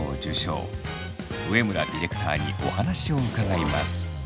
植村ディレクターにお話を伺います。